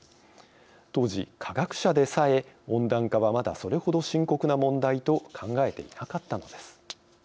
当時、科学者でさえ温暖化はまだそれほど深刻な問題と考えていなかったのです。